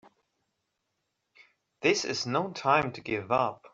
This is no time to give up!